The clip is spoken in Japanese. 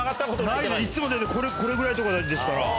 いつもだってこれぐらいとかですから。